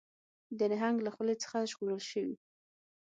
د نهنګ له خولې څخه ژغورل شوي